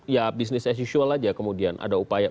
ya business as usual aja kemudian ada upaya